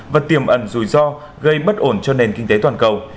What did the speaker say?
và tiềm ẩn rủi ro gây bất ổn cho nền kinh tế toàn cầu